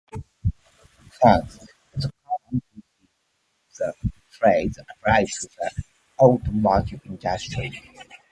Thus, it is common to see the phrase applied to the automotive industry.